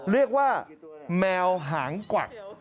เรียกว่าแมวหางกวัก